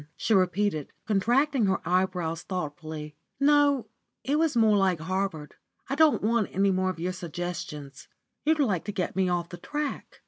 she repeated, contracting her eyebrows thoughtfully; "no, it was more like Harvard. I don't want any more of your suggestions. You'd like to get me off the track."